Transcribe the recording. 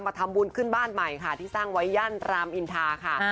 ทำบุญขึ้นบ้านใหม่ค่ะที่สร้างไว้ย่านรามอินทาค่ะ